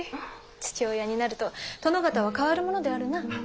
父親になると殿方は変わるものであるな。